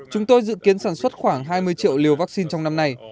chúng tôi dự kiến sản xuất khoảng hai mươi triệu liều vaccine trong năm nay